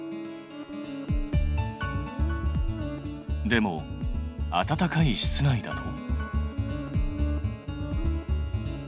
でも暖かい室内だと？